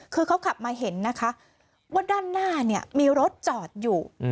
คือเขาขับมาเห็นนะคะว่าด้านหน้าเนี่ยมีรถจอดอยู่